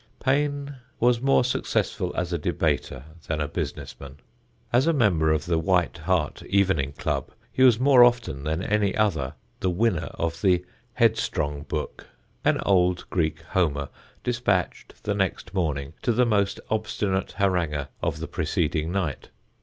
Paine was more successful as a debater than a business man. As a member of the White Hart evening club he was more often than any other the winner of the Headstrong Book an old Greek Homer despatched the next morning to the most obstinate haranguer of the preceding night.